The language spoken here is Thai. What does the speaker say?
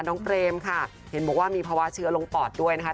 เปรมค่ะเห็นบอกว่ามีภาวะเชื้อลงปอดด้วยนะคะ